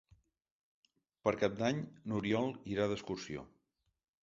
Per Cap d'Any n'Oriol irà d'excursió.